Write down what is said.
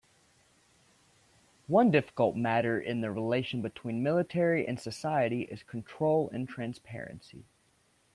One difficult matter in the relation between military and society is control and transparency.